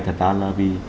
thật ra là vì